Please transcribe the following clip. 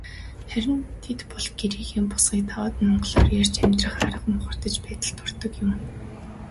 Харин тэд бол гэрийнхээ босгыг даваад монголоор ярьж амьдрах арга мухардах байдалд ордог юм.